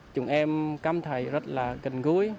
chúng em cảm thấy rất là gần gũi